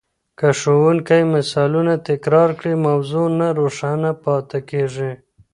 که ښوونکی مثالونه تکرار کړي، موضوع نا روښانه نه پاته کېږي.